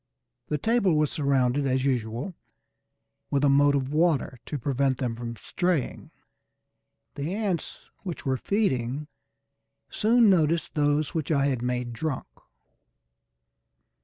The table was surrounded as usual with a moat of water to prevent them from straying. The ants which were feeding soon noticed those which I had made drunk.